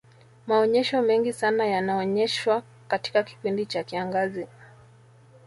maonyesho mengi sana yanaonyeshwa katika kipindi cha kiangazi